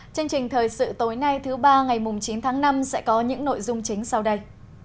chương trình thời sự tối nay thứ ba ngày chín tháng năm sẽ có những nội dung chính sau đây